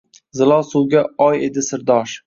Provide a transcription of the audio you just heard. Zilol suvga oy edi sirdosh